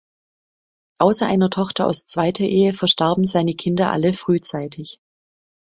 Außer einer Tochter aus zweiter Ehe, verstarben seine Kinder alle frühzeitig.